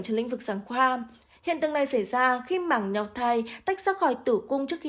trong lĩnh vực sản khoai hiện tượng này xảy ra khi mảng nhò thai tách ra khỏi tử cung trước khi